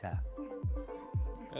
jadi kita harus menengah